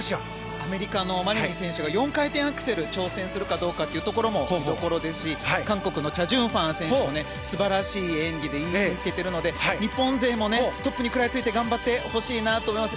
アメリカのマリニン選手が４回転アクセルに挑戦するかも見どころですし韓国のチャ・ジュンファン選手も素晴らしい演技でいい位置につけているので日本勢も、トップに食らいついて頑張ってほしいなと思います。